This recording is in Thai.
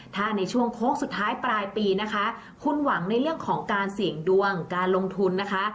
ถ้าในช่วงโค้งสุดท้ายปลายปีนะคะคุณหวังในเรื่องของการเสี่ยงดวงการลงทุนนะคะ